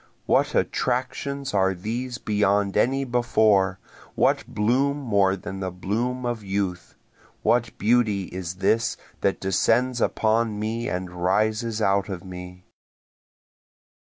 What attractions are these beyond any before? what bloom more than the bloom of youth? What beauty is this that descends upon me and rises out of me?